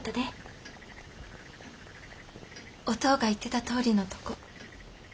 おとうが言ってたとおりのとこ。